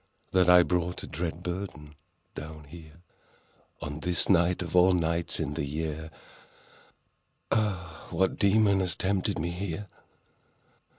— That I brought a dread burden down here— On this night, of all nights in the year, Ah, what demon has tempted me here?